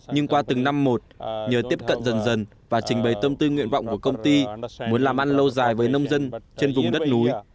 nhưng qua từng năm một nhờ tiếp cận dần dần và trình bày tâm tư nguyện vọng của công ty muốn làm ăn lâu dài với nông dân trên vùng đất núi